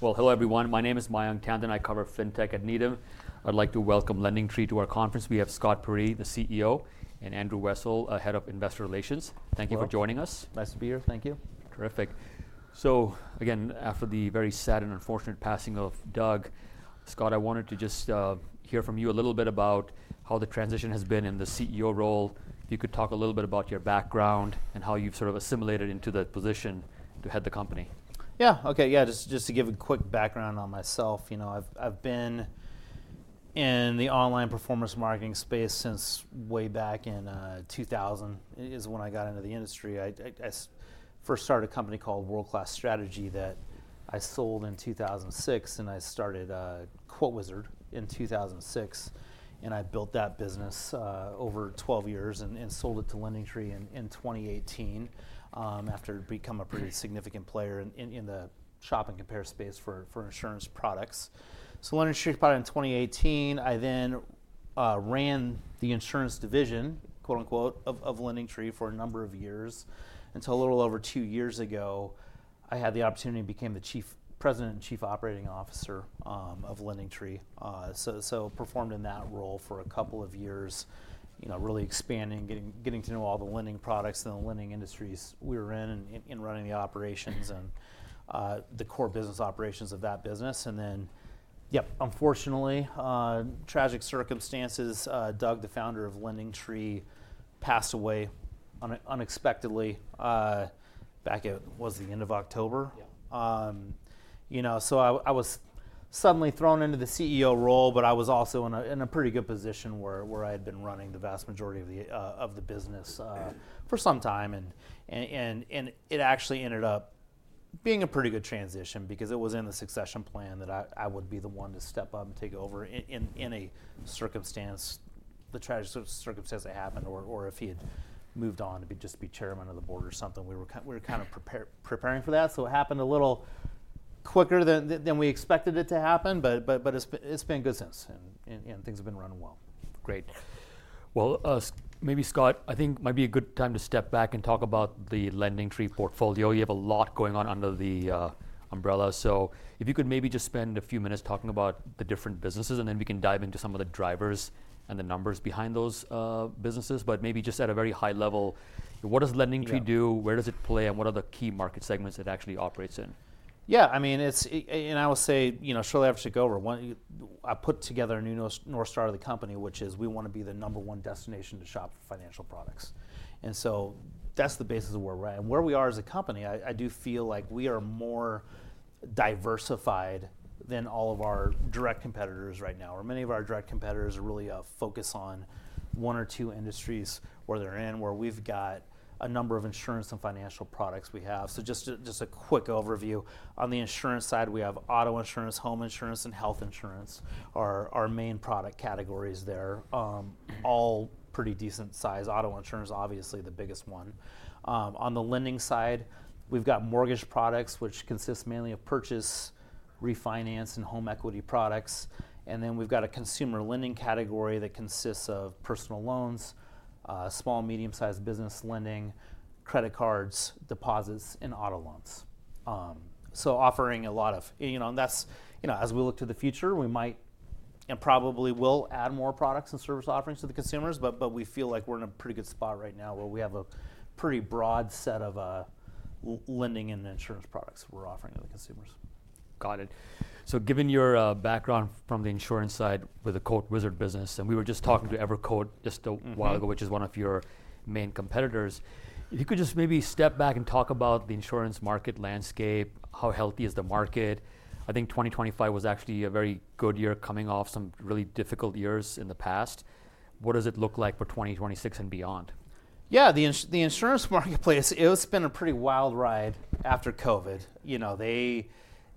Hello everyone. My name is Mayank Tandon, and I cover fintech at Needham. I'd like to welcome LendingTree to our conference. We have Scott Peyree, the CEO, and Andrew Wessel, Head of Investor Relations. Thank you for joining us. Nice to be here. Thank you. Terrific. So again, after the very sad and unfortunate passing of Doug, Scott, I wanted to just hear from you a little bit about how the transition has been in the CEO role. If you could talk a little bit about your background and how you've sort of assimilated into the position to head the company. Yeah, okay. Yeah, just to give a quick background on myself, you know, I've been in the online performance marketing space since way back in 2000 is when I got into the industry. I first started a company called World Class Strategy that I sold in 2006, and I started QuoteWizard in 2006. And I built that business over 12 years and sold it to LendingTree in 2018 after it had become a pretty significant player in the shop and compare space for insurance products. So LendingTree was bought in 2018. I then ran the insurance division, quote unquote, of LendingTree for a number of years until a little over two years ago, I had the opportunity and became the President and Chief Operating Officer of LendingTree. So I performed in that role for a couple of years, you know, really expanding, getting to know all the lending products and the lending industries we were in and running the operations and the core business operations of that business. And then, yep, unfortunately, tragic circumstances, Doug, the founder of LendingTree, passed away unexpectedly back, it was the end of October. You know, so I was suddenly thrown into the CEO role, but I was also in a pretty good position where I had been running the vast majority of the business for some time. And it actually ended up being a pretty good transition because it was in the succession plan that I would be the one to step up and take over in a circumstance, the tragic circumstance that happened, or if he had moved on, it'd just be chairman of the Board or something. We were kind of preparing for that. So it happened a little quicker than we expected it to happen, but it's been good since, and things have been running well. Great. Well, maybe Scott, I think it might be a good time to step back and talk about the LendingTree portfolio. You have a lot going on under the umbrella. So if you could maybe just spend a few minutes talking about the different businesses, and then we can dive into some of the drivers and the numbers behind those businesses. But maybe just at a very high level, what does LendingTree do? Where does it play, and what are the key market segments it actually operates in? Yeah, I mean, and I will say, you know, shortly after I took over, I put together a new North Star of the company, which is we want to be the number one destination to shop financial products. And so that's the basis of where we're at. And where we are as a company, I do feel like we are more diversified than all of our direct competitors right now, or many of our direct competitors are really focused on one or two industries where they're in, where we've got a number of insurance and financial products we have. So just a quick overview on the insurance side, we have auto insurance, home insurance, and health insurance, our main product categories there, all pretty decent size. Auto insurance, obviously the biggest one. On the lending side, we've got mortgage products, which consist mainly of purchase, refinance, and home equity products. And then we've got a consumer lending category that consists of personal loans, small and medium sized business lending, credit cards, deposits, and auto loans. So offering a lot of, you know, and that's, you know, as we look to the future, we might and probably will add more products and service offerings to the consumers, but we feel like we're in a pretty good spot right now where we have a pretty broad set of lending and insurance products we're offering to the consumers. Got it. So given your background from the insurance side with the QuoteWizard business, and we were just talking to EverQuote just a while ago, which is one of your main competitors, if you could just maybe step back and talk about the insurance market landscape, how healthy is the market? I think 2025 was actually a very good year coming off some really difficult years in the past. What does it look like for 2026 and beyond? Yeah, the insurance marketplace, it's been a pretty wild ride after COVID. You know,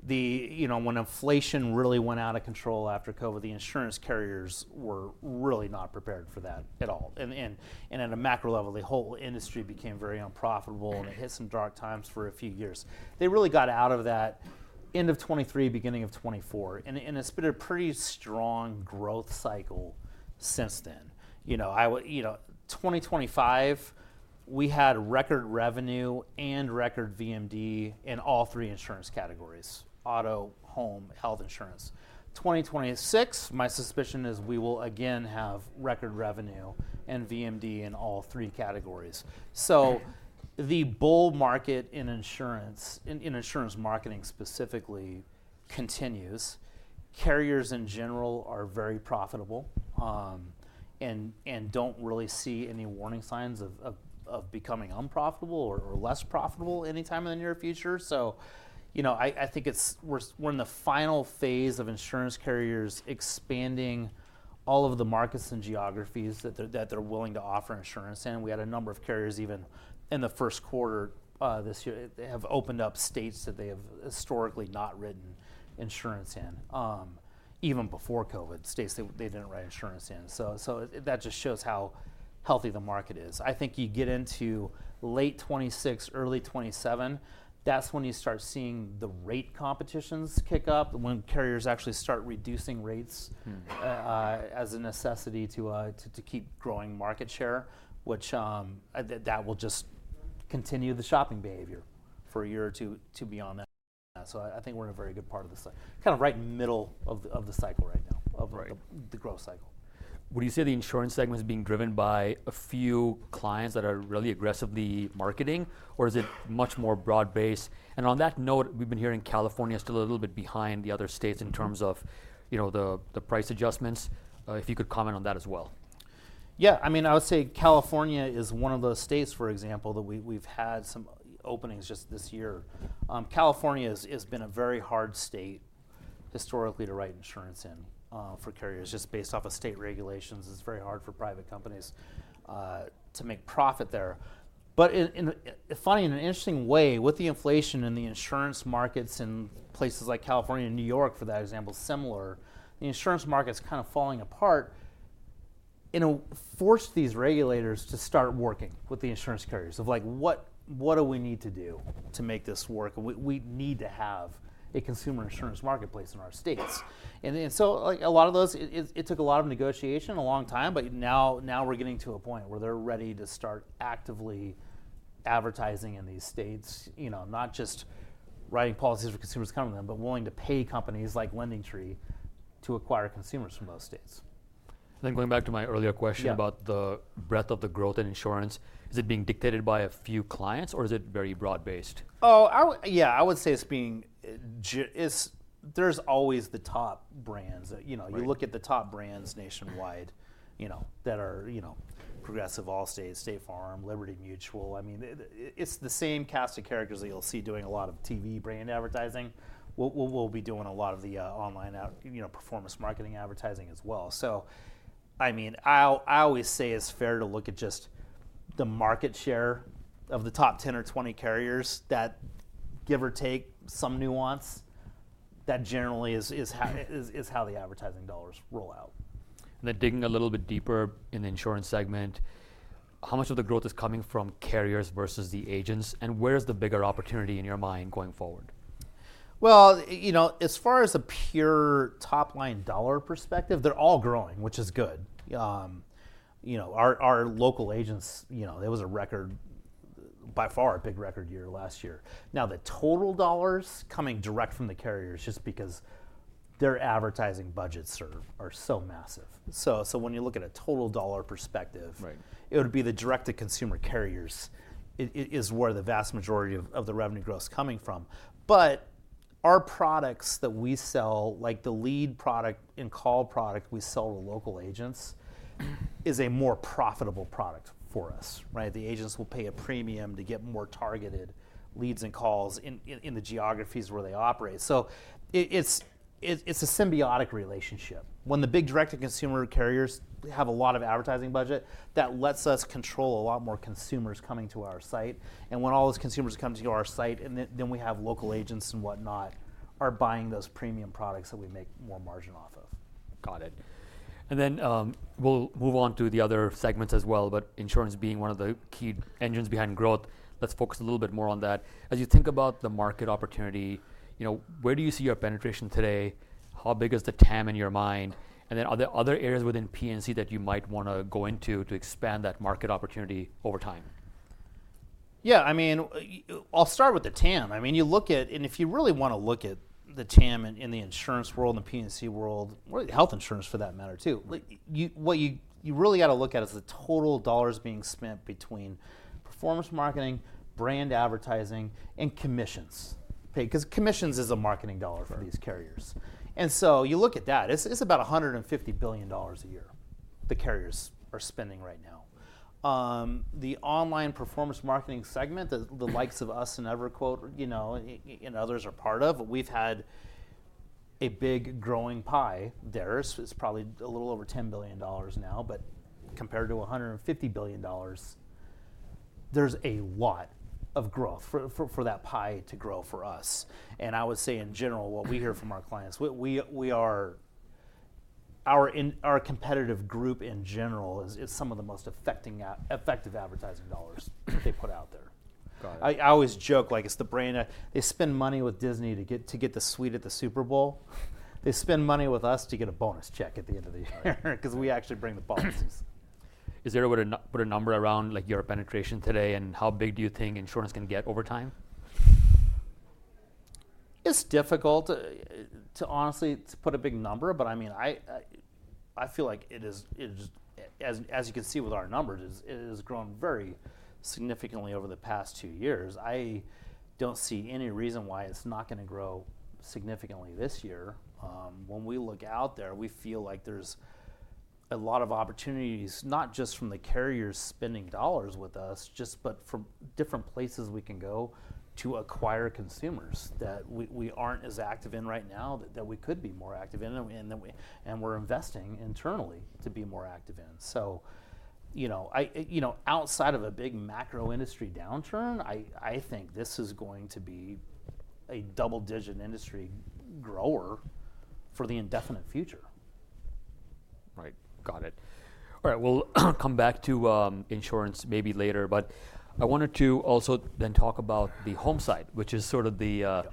the, you know, when inflation really went out of control after COVID, the insurance carriers were really not prepared for that at all. And at a macro level, the whole industry became very unprofitable, and it hit some dark times for a few years. They really got out of that end of 2023, beginning of 2024, and it's been a pretty strong growth cycle since then. You know, 2025, we had record revenue and record VMD in all three insurance categories: auto, home, health insurance. 2026, my suspicion is we will again have record revenue and VMD in all three categories. So the bull market in insurance, in insurance marketing specifically, continues. Carriers in general are very profitable and don't really see any warning signs of becoming unprofitable or less profitable anytime in the near future. You know, I think we're in the final phase of insurance carriers expanding all of the markets and geographies that they're willing to offer insurance in. We had a number of carriers even in the first quarter this year that have opened up states that they have historically not written insurance in, even before COVID, states they didn't write insurance in. So that just shows how healthy the market is. I think you get into late 2026, early 2027, that's when you start seeing the rate competitions kick up, when carriers actually start reducing rates as a necessity to keep growing market share, which that will just continue the shopping behavior for a year or two to be on that. So I think we're in a very good part of the cycle, kind of right in the middle of the cycle right now, of the growth cycle. Would you say the insurance segment is being driven by a few clients that are really aggressively marketing, or is it much more broad based? And on that note, we've been hearing California is still a little bit behind the other states in terms of, you know, the price adjustments. If you could comment on that as well. Yeah, I mean, I would say California is one of those states, for example, that we've had some openings just this year. California has been a very hard state historically to write insurance in for carriers, just based off of state regulations. It's very hard for private companies to make profit there. But in a funny and interesting way, with the inflation in the insurance markets in places like California and New York, for that example, similar, the insurance market's kind of falling apart and it forced these regulators to start working with the insurance carriers of like, what do we need to do to make this work? We need to have a consumer insurance marketplace in our states. And so, like a lot of those, it took a lot of negotiation, a long time, but now we're getting to a point where they're ready to start actively advertising in these states, you know, not just writing policies for consumers coming to them, but willing to pay companies like LendingTree to acquire consumers from those states. And then going back to my earlier question about the breadth of the growth in insurance, is it being dictated by a few clients or is it very broad based? Oh, yeah, I would say it's being. There's always the top brands. You know, you look at the top brands nationwide, you know, that are, you know, Progressive, Allstate, State Farm, Liberty Mutual. I mean, it's the same cast of characters that you'll see doing a lot of TV brand advertising. We'll be doing a lot of the online, you know, performance marketing advertising as well. So I mean, I always say it's fair to look at just the market share of the top 10 or 20 carriers that, give or take some nuance. That generally is how the advertising dollars roll out. Then digging a little bit deeper in the insurance segment, how much of the growth is coming from carriers versus the agents? Where's the bigger opportunity in your mind going forward? Well, you know, as far as a pure top line dollar perspective, they're all growing, which is good. You know, our local agents, you know, it was a record, by far a big record year last year. Now the total dollars coming direct from the carriers just because their advertising budgets are so massive. So when you look at a total dollar perspective, it would be the direct-to-consumer carriers is where the vast majority of the revenue growth is coming from. But our products that we sell, like the lead product and call product we sell to local agents, is a more profitable product for us, right? The agents will pay a premium to get more targeted leads and calls in the geographies where they operate. So it's a symbiotic relationship. When the big direct-to-consumer carriers have a lot of advertising budget, that lets us control a lot more consumers coming to our site. And when all those consumers come to our site, then we have local agents and whatnot are buying those premium products that we make more margin off of. Got it. And then we'll move on to the other segments as well, but insurance being one of the key engines behind growth, let's focus a little bit more on that. As you think about the market opportunity, you know, where do you see your penetration today? How big is the TAM in your mind? And then are there other areas within P&C that you might want to go into to expand that market opportunity over time? Yeah, I mean, I'll start with the TAM. I mean, you look at, and if you really want to look at the TAM in the insurance world and the P&C world, health insurance for that matter too, what you really got to look at is the total dollars being spent between performance marketing, brand advertising, and commissions. Because commissions is a marketing dollar for these carriers. And so you look at that, it's about $150 billion a year the carriers are spending right now. The online performance marketing segment that the likes of us and EverQuote, you know, and others are part of, we've had a big growing pie there. It's probably a little over $10 billion now, but compared to $150 billion, there's a lot of growth for that pie to grow for us. I would say in general, what we hear from our clients, our competitive group in general is some of the most effective advertising dollars they put out there. I always joke like it's the brand. They spend money with Disney to get the suite at the Super Bowl. They spend money with us to get a bonus check at the end of the year because we actually bring the bonuses. Is there a number around like your penetration today and how big do you think insurance can get over time? It's difficult to honestly put a big number, but I mean, I feel like it is, as you can see with our numbers, it has grown very significantly over the past two years. I don't see any reason why it's not going to grow significantly this year. When we look out there, we feel like there's a lot of opportunities, not just from the carriers spending dollars with us, but from different places we can go to acquire consumers that we aren't as active in right now, that we could be more active in, and we're investing internally to be more active in. So, you know, outside of a big macro industry downturn, I think this is going to be a double-digit industry grower for the indefinite future. Right. Got it. All right. We'll come back to insurance maybe later, but I wanted to also then talk about the home side, which is sort of the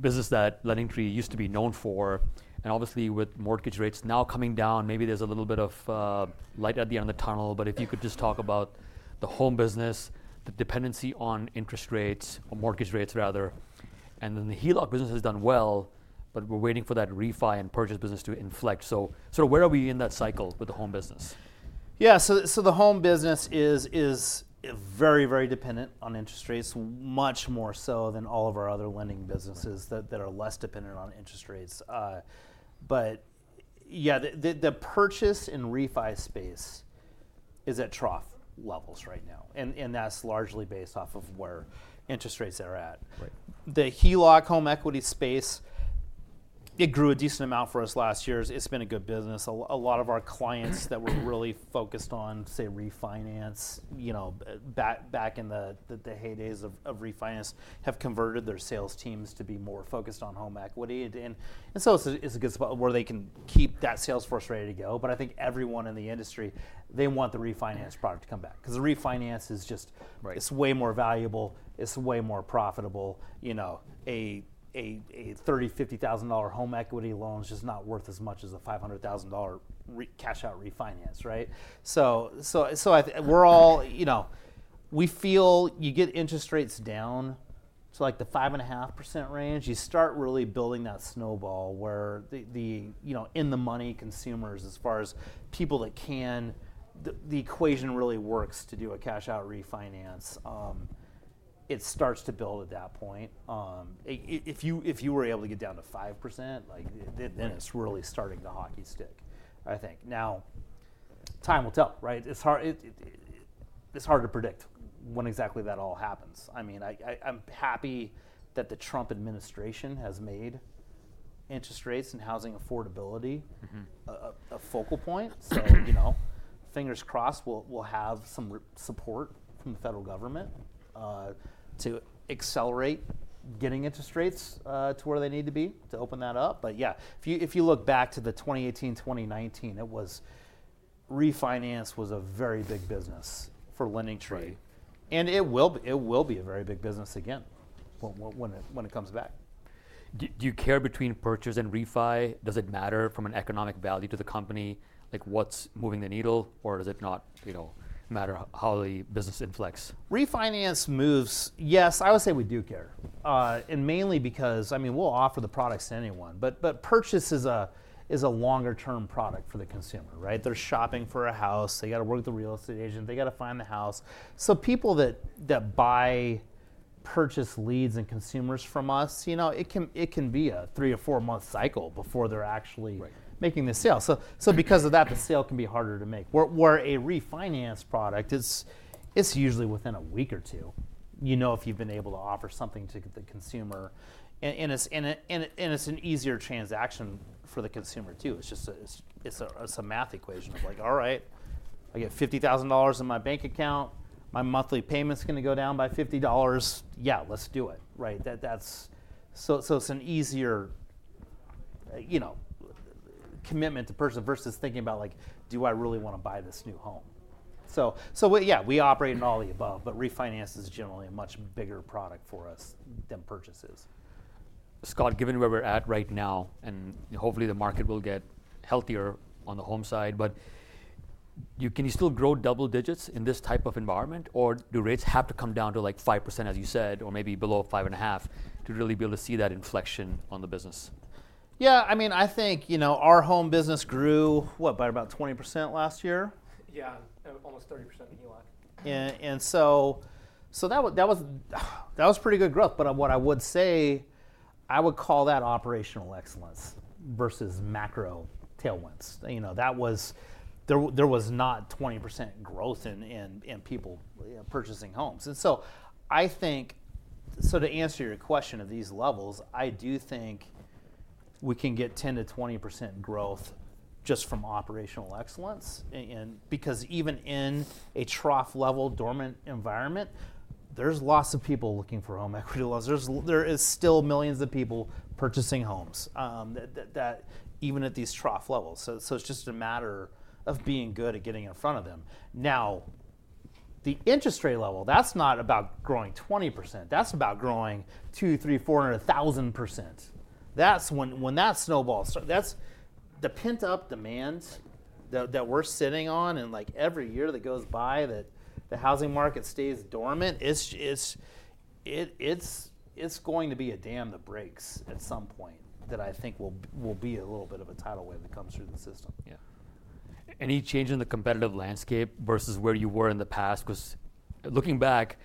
business that LendingTree used to be known for, and obviously with mortgage rates now coming down, maybe there's a little bit of light at the end of the tunnel, but if you could just talk about the home business, the dependency on interest rates or mortgage rates rather, and then the HELOC business has done well, but we're waiting for that refi and purchase business to inflect. So sort of where are we in that cycle with the home business? Yeah, so the home business is very, very dependent on interest rates, much more so than all of our other lending businesses that are less dependent on interest rates. But yeah, the purchase and refi space is at trough levels right now, and that's largely based off of where interest rates are at. The HELOC home equity space, it grew a decent amount for us last year. It's been a good business. A lot of our clients that were really focused on, say, refinance, you know, back in the heydays of refinance have converted their sales teams to be more focused on home equity. And so it's a good spot where they can keep that sales force ready to go. But I think everyone in the industry, they want the refinance product to come back because the refinance is just, it's way more valuable. It's way more profitable. You know, a $30,000, $50,000 home equity loan is just not worth as much as a $500,000 cash out refinance, right? So we're all, you know, we feel you get interest rates down to like the 5.5% range, you start really building that snowball where the, you know, in the money consumers, as far as people that can, the equation really works to do a cash out refinance. It starts to build at that point. If you were able to get down to 5%, like then it's really starting the hockey stick, I think. Now, time will tell, right? It's hard to predict when exactly that all happens. I mean, I'm happy that the Trump administration has made interest rates and housing affordability a focal point. So, you know, fingers crossed we'll have some support from the federal government to accelerate getting interest rates to where they need to be to open that up. But yeah, if you look back to the 2018, 2019, it was refinance was a very big business for LendingTree. And it will be a very big business again when it comes back. Do you care between purchase and refi? Does it matter from an economic value to the company, like what's moving the needle, or does it not, you know, matter how the business inflects? Refinance moves, yes, I would say we do care, and mainly because, I mean, we'll offer the products to anyone, but purchase is a longer term product for the consumer, right? They're shopping for a house. They got to work with the real estate agent. They got to find the house. So people that buy, purchase leads and consumers from us, you know, it can be a three or four month cycle before they're actually making the sale. So because of that, the sale can be harder to make. Where a refinance product, it's usually within a week or two, you know, if you've been able to offer something to the consumer, and it's an easier transaction for the consumer too. It's just a math equation of like, all right, I get $50,000 in my bank account. My monthly payment's going to go down by $50. Yeah, let's do it, right? So it's an easier, you know, commitment to purchase versus thinking about like, do I really want to buy this new home? So yeah, we operate in all the above, but refinance is generally a much bigger product for us than purchases. Scott, given where we're at right now, and hopefully the market will get healthier on the home side, but can you still grow double digits in this type of environment, or do rates have to come down to like 5%, as you said, or maybe below five and a half to really be able to see that inflection on the business? Yeah, I mean, I think, you know, our home business grew, what, by about 20% last year? Yeah, almost 30% in HELOC. And so that was pretty good growth. But what I would say, I would call that operational excellence versus macro tailwinds. You know, there was not 20% growth in people purchasing homes. And so I think, so to answer your question of these levels, I do think we can get 10%-20% growth just from operational excellence. And because even in a trough level dormant environment, there's lots of people looking for home equity loans. There are still millions of people purchasing homes that even at these trough levels. So it's just a matter of being good at getting in front of them. Now, the interest rate level, that's not about growing 20%. That's about growing 2%, 3%, 400%, 1,000%. That's when that snowball starts. That's the pent-up demand that we're sitting on, and like every year that goes by that the housing market stays dormant, it's going to be a dam that breaks at some point that I think will be a little bit of a tidal wave that comes through the system. Yeah. Any change in the competitive landscape versus where you were in the past? Because looking back,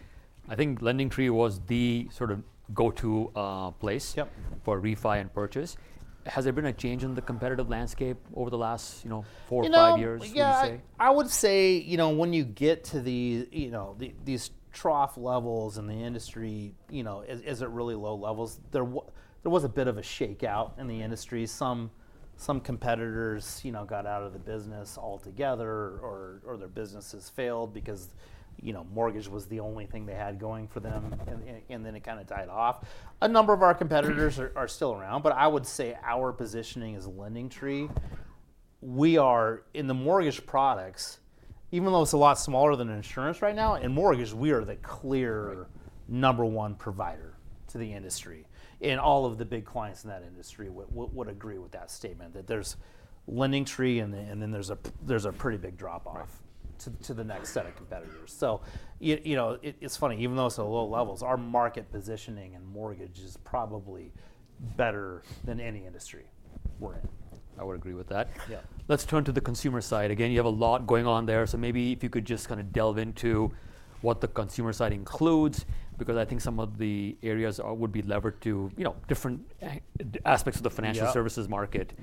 I think LendingTree was the sort of go-to place for refi and purchase. Has there been a change in the competitive landscape over the last, you know, four or five years, you would say? Yeah, I would say, you know, when you get to these, you know, these trough levels in the industry, you know, as it reaches really low levels, there was a bit of a shakeout in the industry. Some competitors, you know, got out of the business altogether or their businesses failed because, you know, mortgage was the only thing they had going for them, and then it kind of died off. A number of our competitors are still around, but I would say our positioning as LendingTree, we are in the mortgage products, even though it's a lot smaller than insurance right now, in mortgage, we are the clear number one provider to the industry. All of the big clients in that industry would agree with that statement that there's LendingTree and then there's a pretty big drop off to the next set of competitors. So, you know, it's funny, even though it's at low levels, our market positioning in mortgage is probably better than any industry we're in. I would agree with that. Let's turn to the consumer side. Again, you have a lot going on there. So maybe if you could just kind of delve into what the consumer side includes, because I think some of the areas would be levered to, you know, different aspects of the financial services market.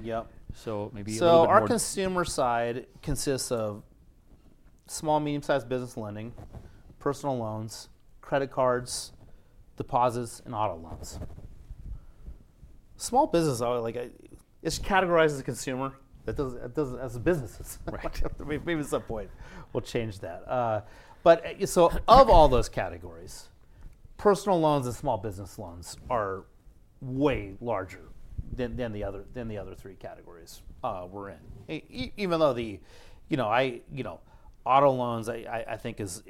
So maybe. So our consumer side consists of small, medium-sized business lending, personal loans, credit cards, deposits, and auto loans. Small business, like it's categorized as a consumer that doesn't as a business. Maybe at some point we'll change that. But so of all those categories, personal loans and small business loans are way larger than the other three categories we're in. Even though the, you know, auto loans, I think is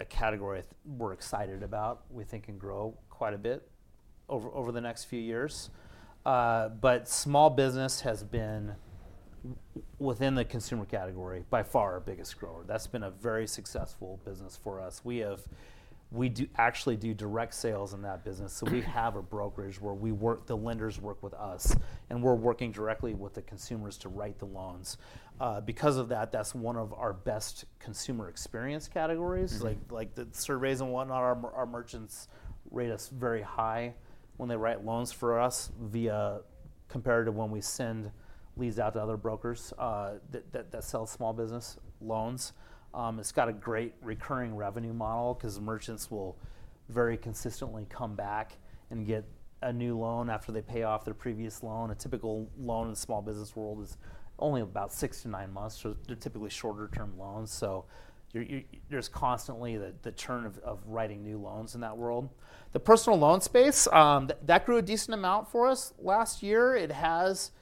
a category we're excited about. We think can grow quite a bit over the next few years. But small business has been within the consumer category by far our biggest grower. That's been a very successful business for us. We actually do direct sales in that business. So we have a brokerage where the lenders work with us, and we're working directly with the consumers to write the loans. Because of that, that's one of our best consumer experience categories. Like the surveys and whatnot, our merchants rate us very high when they write loans for us compared to when we send leads out to other brokers that sell small business loans. It's got a great recurring revenue model because merchants will very consistently come back and get a new loan after they pay off their previous loan. A typical loan in the small business world is only about six to nine months, so they're typically shorter term loans, so there's constantly the turn of writing new loans in that world. The personal loan space, that grew a decent amount for us last year. It has,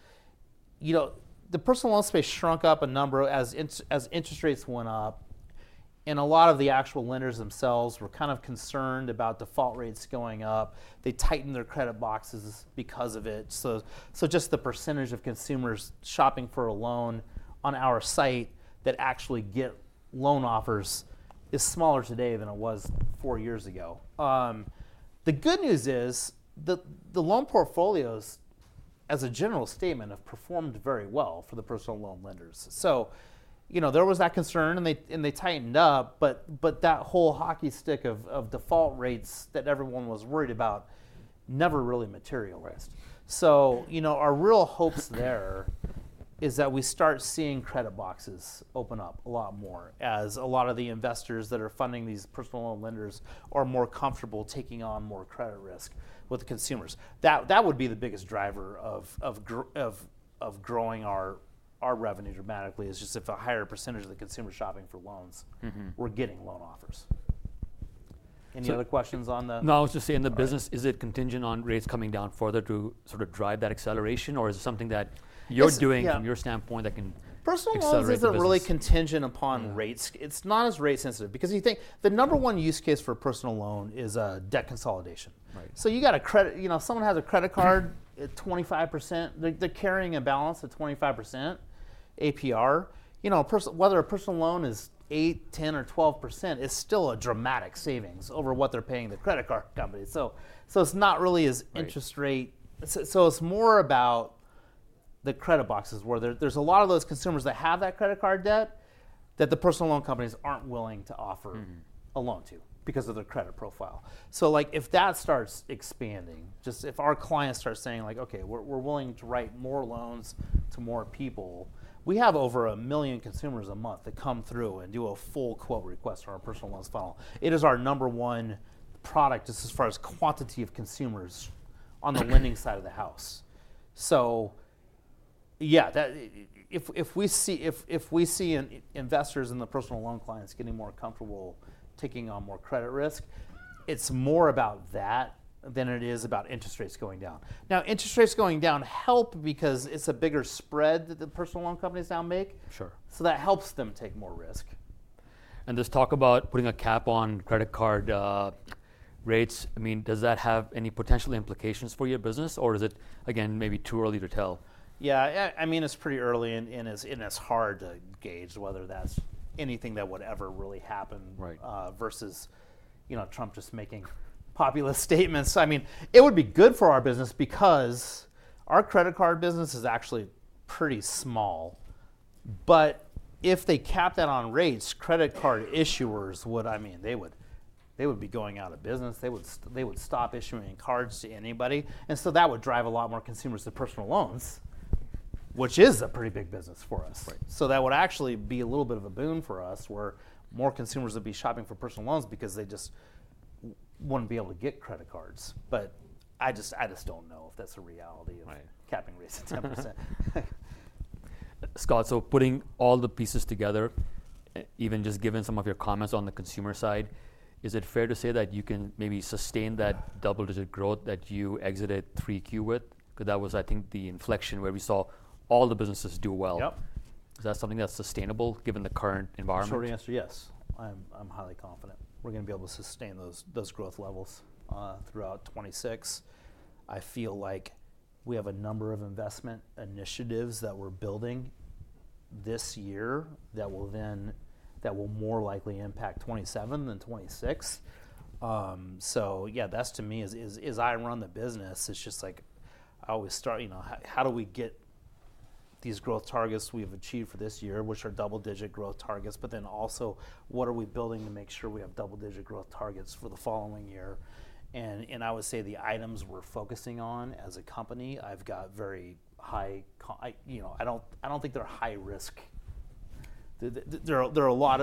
you know, the personal loan space shrunk up a number as interest rates went up, and a lot of the actual lenders themselves were kind of concerned about default rates going up. They tightened their credit boxes because of it. So just the percentage of consumers shopping for a loan on our site that actually get loan offers is smaller today than it was four years ago. The good news is the loan portfolios, as a general statement, have performed very well for the personal loan lenders. So, you know, there was that concern and they tightened up, but that whole hockey stick of default rates that everyone was worried about never really materialized. So, you know, our real hopes there is that we start seeing credit boxes open up a lot more as a lot of the investors that are funding these personal loan lenders are more comfortable taking on more credit risk with the consumers. That would be the biggest driver of growing our revenue dramatically is just if a higher percentage of the consumers shopping for loans, we're getting loan offers. Any other questions on the? No, I was just saying the business, is it contingent on rates coming down further to sort of drive that acceleration, or is it something that you're doing from your standpoint that can accelerate? Personal loans isn't really contingent upon rates. It's not as rate sensitive because you think the number one use case for a personal loan is debt consolidation. So you got a credit, you know, if someone has a credit card at 25%, they're carrying a balance at 25% APR. You know, whether a personal loan is 8, 10, or 12% is still a dramatic savings over what they're paying the credit card company. So it's not really as interest rate. So it's more about the credit boxes where there's a lot of those consumers that have that credit card debt that the personal loan companies aren't willing to offer a loan to because of their credit profile. So, like, if that starts expanding, just if our clients start saying, like, okay, we're willing to write more loans to more people, we have over a million consumers a month that come through and do a full quote request on our personal loans funnel. It is our number one product just as far as quantity of consumers on the lending side of the house. So yeah, if we see investors in the personal loan clients getting more comfortable taking on more credit risk, it's more about that than it is about interest rates going down. Now, interest rates going down help because it's a bigger spread that the personal loan companies now make. So that helps them take more risk. This talk about putting a cap on credit card rates, I mean, does that have any potential implications for your business or is it, again, maybe too early to tell? Yeah, I mean, it's pretty early and it's hard to gauge whether that's anything that would ever really happen versus, you know, Trump just making populist statements. I mean, it would be good for our business because our credit card business is actually pretty small. But if they cap that on rates, credit card issuers would, I mean, they would be going out of business. They would stop issuing cards to anybody. And so that would drive a lot more consumers to personal loans, which is a pretty big business for us. So that would actually be a little bit of a boon for us where more consumers would be shopping for personal loans because they just wouldn't be able to get credit cards. But I just don't know if that's a reality of capping rates at 10%. Scott, so putting all the pieces together, even just given some of your comments on the consumer side, is it fair to say that you can maybe sustain that double-digit growth that you exited 3Q with? Because that was, I think, the inflection where we saw all the businesses do well. Is that something that's sustainable given the current environment? Short answer, yes. I'm highly confident we're going to be able to sustain those growth levels throughout 2026. I feel like we have a number of investment initiatives that we're building this year that will more likely impact 2027 than 2026. So yeah, that's to me, as I run the business, it's just like I always start, you know, how do we get these growth targets we've achieved for this year, which are double-digit growth targets, but then also what are we building to make sure we have double-digit growth targets for the following year? And I would say the items we're focusing on as a company, I've got very high, you know, I don't think they're high risk. There's a lot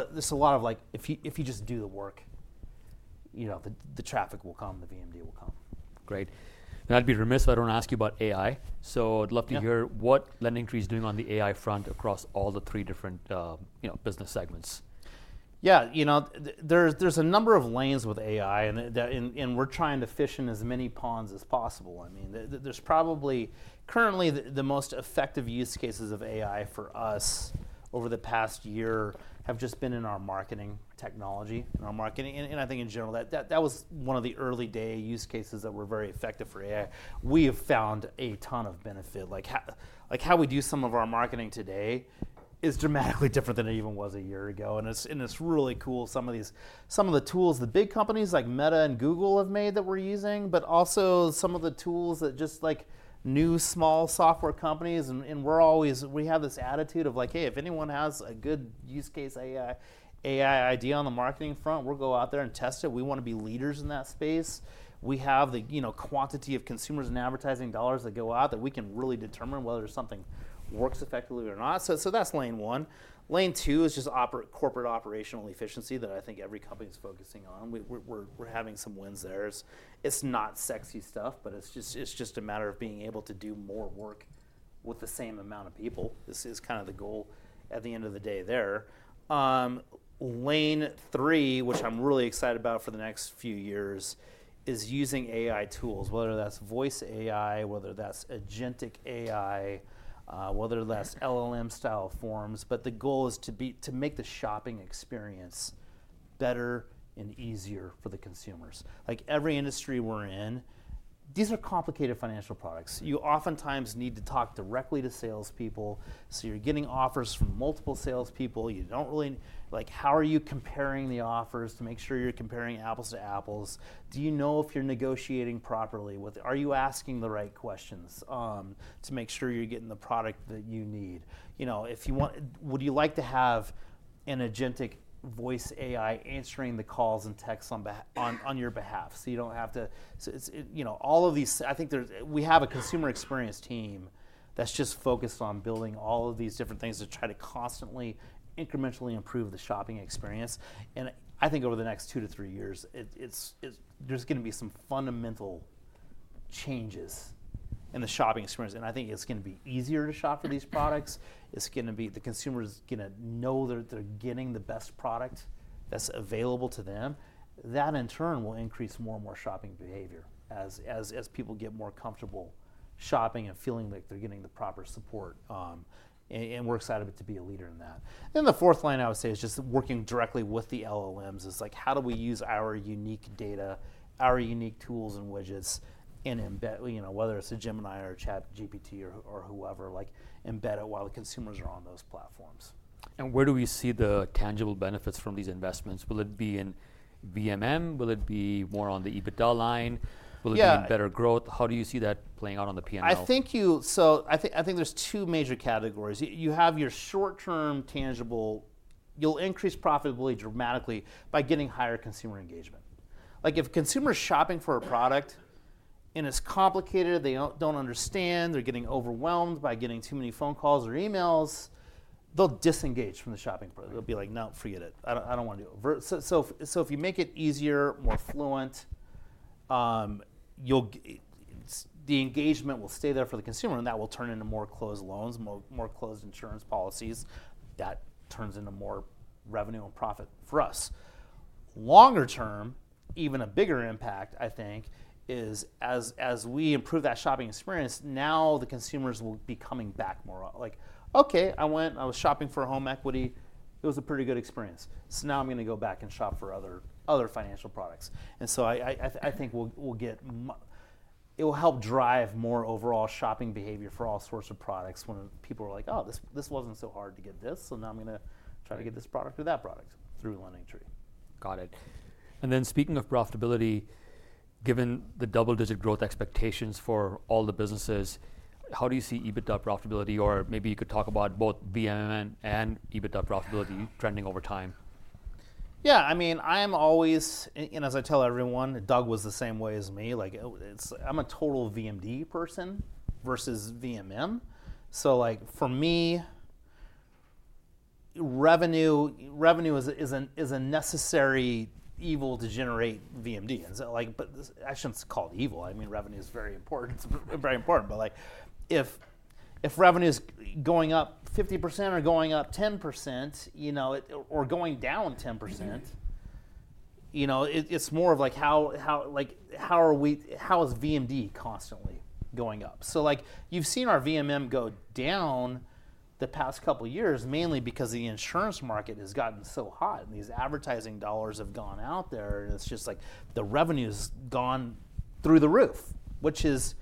of like, if you just do the work, you know, the traffic will come, the VMD will come. Great, and I'd be remiss if I don't ask you about AI, so I'd love to hear what LendingTree is doing on the AI front across all the three different business segments. Yeah, you know, there's a number of lanes with AI and we're trying to fish in as many ponds as possible. I mean, there's probably currently the most effective use cases of AI for us over the past year have just been in our marketing technology, in our marketing, and I think in general, that was one of the early day use cases that were very effective for AI. We have found a ton of benefit. Like how we do some of our marketing today is dramatically different than it even was a year ago, and it's really cool, some of the tools the big companies like Meta and Google have made that we're using, but also some of the tools that just like new small software companies. We're always. We have this attitude of like, hey, if anyone has a good use case AI idea on the marketing front, we'll go out there and test it. We want to be leaders in that space. We have the quantity of consumers and advertising dollars that go out that we can really determine whether something works effectively or not. So that's lane one. Lane two is just corporate operational efficiency that I think every company is focusing on. We're having some wins there. It's not sexy stuff, but it's just a matter of being able to do more work with the same amount of people. This is kind of the goal at the end of the day there. Lane three, which I'm really excited about for the next few years, is using AI tools, whether that's voice AI, whether that's agentic AI, whether that's LLM style forms. But the goal is to make the shopping experience better and easier for the consumers. Like every industry we're in, these are complicated financial products. You oftentimes need to talk directly to salespeople. So you're getting offers from multiple salespeople. You don't really, like how are you comparing the offers to make sure you're comparing apples to apples? Do you know if you're negotiating properly? Are you asking the right questions to make sure you're getting the product that you need? You know, if you want, would you like to have an agentic voice AI answering the calls and texts on your behalf so you don't have to, you know, all of these, I think we have a consumer experience team that's just focused on building all of these different things to try to constantly incrementally improve the shopping experience. I think over the next two to three years, there's going to be some fundamental changes in the shopping experience. I think it's going to be easier to shop for these products. It's going to be, the consumer is going to know that they're getting the best product that's available to them. That in turn will increase more and more shopping behavior as people get more comfortable shopping and feeling like they're getting the proper support. We're excited to be a leader in that. The fourth line I would say is just working directly with the LLMs. It's like how do we use our unique data, our unique tools and widgets and embed, you know, whether it's a Gemini or ChatGPT or whoever, like embed it while the consumers are on those platforms. Where do we see the tangible benefits from these investments? Will it be in VMM? Will it be more on the EBITDA line? Will it be better growth? How do you see that playing out on the P&L? I think you, so I think there's two major categories. You have your short-term tangible, you'll increase profitability dramatically by getting higher consumer engagement. Like if consumers are shopping for a product and it's complicated, they don't understand, they're getting overwhelmed by getting too many phone calls or emails, they'll disengage from the shopping process. They'll be like, no, forget it. I don't want to do it. So if you make it easier, more fluent, the engagement will stay there for the consumer and that will turn into more closed loans, more closed insurance policies. That turns into more revenue and profit for us. Longer term, even a bigger impact, I think, is as we improve that shopping experience, now the consumers will be coming back more. Like, okay, I went, I was shopping for home equity. It was a pretty good experience. So now I'm going to go back and shop for other financial products. And so I think we'll get, it will help drive more overall shopping behavior for all sorts of products when people are like, oh, this wasn't so hard to get this. So now I'm going to try to get this product or that product through LendingTree. Got it. And then speaking of profitability, given the double-digit growth expectations for all the businesses, how do you see EBITDA profitability? Or maybe you could talk about both VMM and EBITDA profitability trending over time. Yeah, I mean, I am always, and as I tell everyone, Doug was the same way as me. Like I'm a total VMD person versus VMM. So like for me, revenue is a necessary evil to generate VMD. And so like, but actually it's called evil. I mean, revenue is very important. It's very important. But like if revenue is going up 50% or going up 10%, you know, or going down 10%, you know, it's more of like how are we, how is VMD constantly going up? So like you've seen our VMM go down the past couple of years, mainly because the insurance market has gotten so hot and these advertising dollars have gone out there and it's just like the revenue has gone through the roof, which is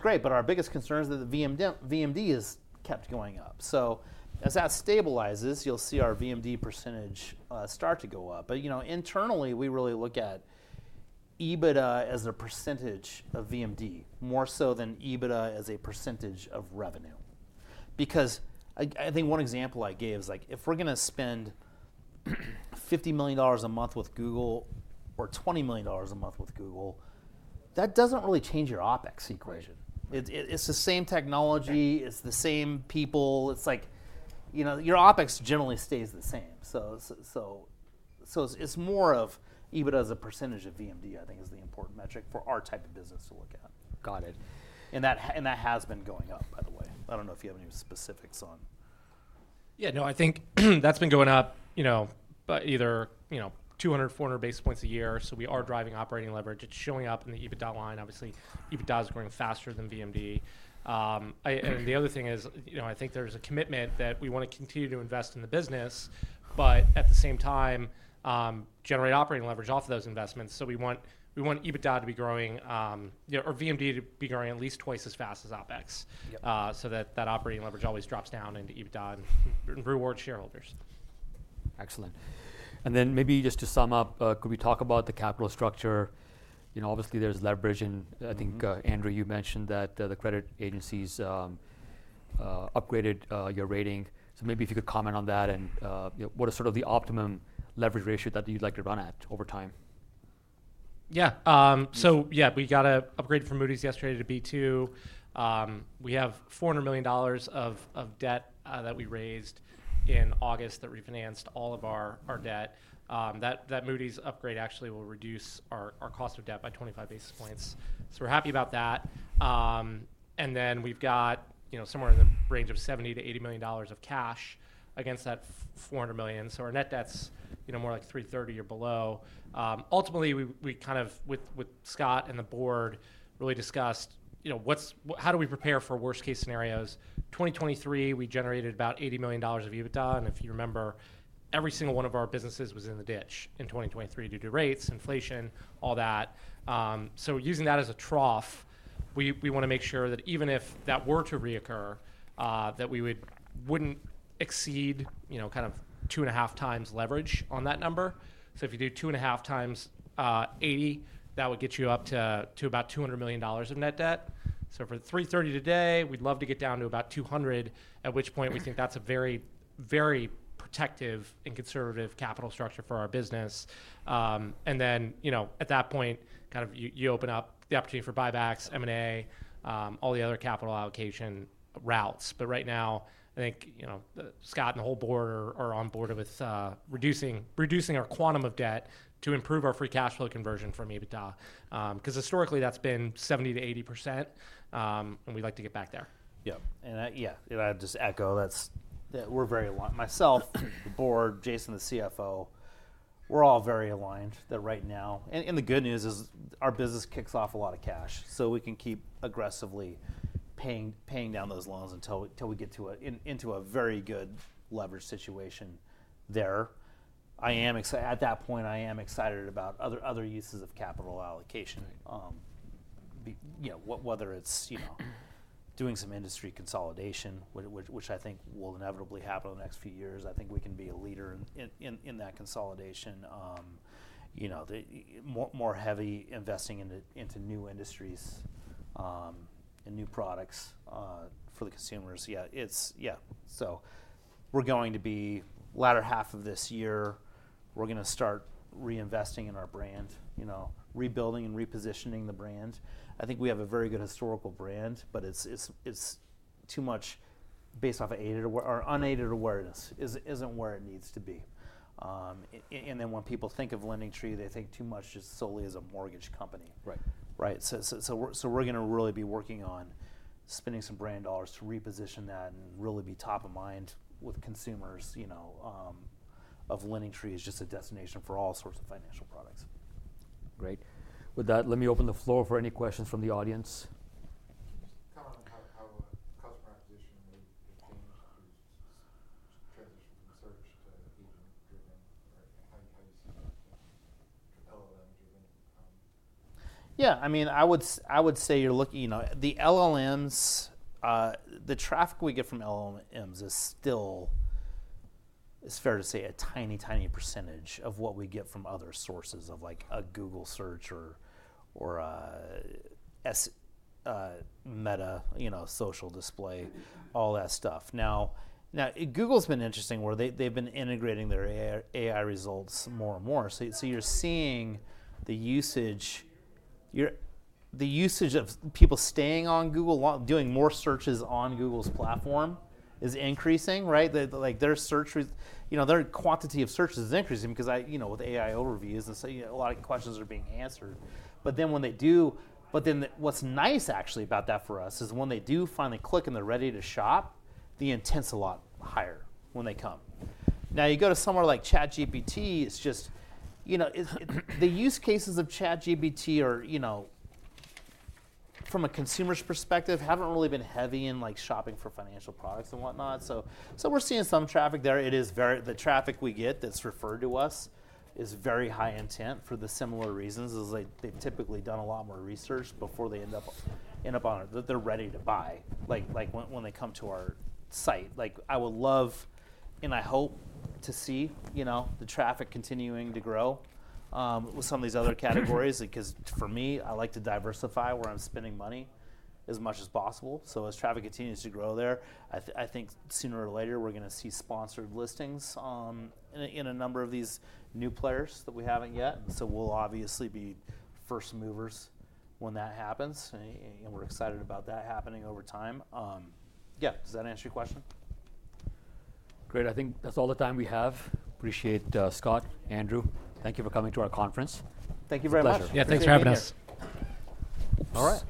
great. But our biggest concern is that the VMD has kept going up. So as that stabilizes, you'll see our VMD percentage start to go up. But you know, internally we really look at EBITDA as a percentage of VMD, more so than EBITDA as a percentage of revenue. Because I think one example I gave is like if we're going to spend $50 million a month with Google or $20 million a month with Google, that doesn't really change your OpEx equation. It's the same technology, it's the same people. It's like, you know, your OpEx generally stays the same. So it's more of EBITDA as a percentage of VMD, I think is the important metric for our type of business to look at. Got it. And that has been going up, by the way. I don't know if you have any specifics on. Yeah, no, I think that's been going up, you know, by either, you know, 200, 400 basis points a year. So we are driving operating leverage. It's showing up in the EBITDA line. Obviously, EBITDA is growing faster than VMD. And the other thing is, you know, I think there's a commitment that we want to continue to invest in the business, but at the same time, generate operating leverage off of those investments. So we want EBITDA to be growing, you know, or VMD to be growing at least twice as fast as OpEx. So that operating leverage always drops down into EBITDA and reward shareholders. Excellent. And then maybe just to sum up, could we talk about the capital structure? You know, obviously there's leverage and I think, Andrew, you mentioned that the credit agencies upgraded your rating. So maybe if you could comment on that and what is sort of the optimum leverage ratio that you'd like to run at over time? Yeah, so yeah, we got an upgrade from Moody's yesterday to B2. We have $400 million of debt that we raised in August that refinanced all of our debt. That Moody's upgrade actually will reduce our cost of debt by 25 basis points. So we're happy about that, and then we've got, you know, somewhere in the range of $70 million-$80 million of cash against that $400 million. So our net debt's, you know, more like $330 million or below. Ultimately, we kind of, with Scott and the Board, really discussed, you know, how do we prepare for worst-case scenarios? 2023, we generated about $80 million of EBITDA, and if you remember, every single one of our businesses was in the ditch in 2023 due to rates, inflation, all that. So, using that as a trough, we want to make sure that even if that were to reoccur, that we wouldn't exceed, you know, kind of two and a half times leverage on that number. So, if you do 2.5x $80 million, that would get you up to about $200 million of net debt. So, for $330 million today, we'd love to get down to about $200 million, at which point we think that's a very, very protective and conservative capital structure for our business. And then, you know, at that point, kind of you open up the opportunity for buybacks, M&A, all the other capital allocation routes. But right now, I think, you know, Scott and the whole board are on board with reducing our quantum of debt to improve our free cash flow conversion from EBITDA. Because historically, that's been 70%-80% and we'd like to get back there. Yep. And yeah, I'd just echo that we're very aligned. Myself, the board, Jason, the CFO, we're all very aligned that right now, and the good news is our business kicks off a lot of cash. So we can keep aggressively paying down those loans until we get into a very good leverage situation there. I am, at that point, I am excited about other uses of capital allocation. You know, whether it's, you know, doing some industry consolidation, which I think will inevitably happen in the next few years. I think we can be a leader in that consolidation. You know, more heavy investing into new industries and new products for the consumers. Yeah, it's, yeah. So we're going to be the latter half of this year, we're going to start reinvesting in our brand, you know, rebuilding and repositioning the brand. I think we have a very good historical brand, but it's too much based off of our unaided awareness, isn't where it needs to be, and then when people think of LendingTree, they think too much just solely as a mortgage company, right, so we're going to really be working on spending some brand dollars to reposition that and really be top of mind with consumers, you know, that LendingTree is just a destination for all sorts of financial products. Great. With that, let me open the floor for any questions from the audience. Just comment on how customer acquisition may change through transition from search to agent-driven or how you see that LLM-driven. Yeah, I mean, I would say you're looking, you know, the LLMs, the traffic we get from LLMs is still, it's fair to say a tiny, tiny percentage of what we get from other sources of like a Google search or Meta, you know, social display, all that stuff. Now, Google's been interesting where they've been integrating their AI results more and more. So you're seeing the usage, the usage of people staying on Google, doing more searches on Google's platform is increasing, right? Like their search, you know, their quantity of searches is increasing because, you know, with AI overviews and so a lot of questions are being answered. But then when they do, but then what's nice actually about that for us is when they do finally click and they're ready to shop, the intent's a lot higher when they come. Now you go to somewhere like ChatGPT. It's just, you know, the use cases of ChatGPT are, you know, from a consumer's perspective, haven't really been heavy in like shopping for financial products and whatnot. So we're seeing some traffic there. It is very, the traffic we get that's referred to us is very high intent for the similar reasons as they've typically done a lot more research before they end up on it, that they're ready to buy. Like when they come to our site, like I would love and I hope to see, you know, the traffic continuing to grow with some of these other categories because for me, I like to diversify where I'm spending money as much as possible. So as traffic continues to grow there, I think sooner or later we're going to see sponsored listings in a number of these new players that we haven't yet. So we'll obviously be first movers when that happens and we're excited about that happening over time. Yeah, does that answer your question? Great. I think that's all the time we have. Appreciate Scott, Andrew. Thank you for coming to our conference. Thank you very much. Yeah, thanks for having us. All right.